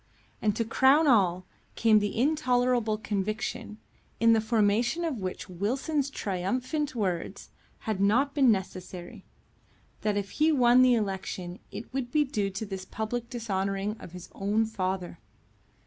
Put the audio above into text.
And to crown all, came the intolerable conviction, in the formation of which Wilson's triumphant words had not been necessary, that if he won the election it would be due to this public dishonouring of his own father.